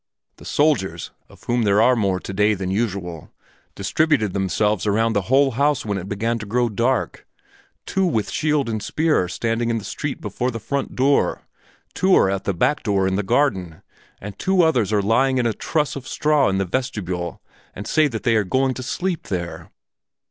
The soldiers, of whom there are more today than usual, distributed themselves around the whole house when it began to grow dark; two with shield and spear are standing in the street before the front door, two are at the back door in the garden, and two others are lying on a truss of straw in the vestibule and say that they are going to sleep there."